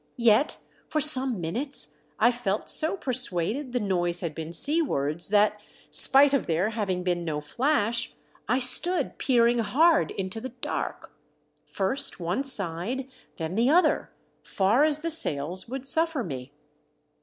Yet, for some minutes I felt so persuaded the noise had been seawards that, spite of there having been no flash, I stood peering hard into the dark, first one side then the other, far as the sails would suffer me.